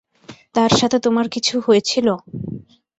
তার সাথে তোমার কিছু হয়েছিল?